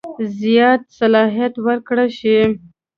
زیات صلاحیت ورکړه شي.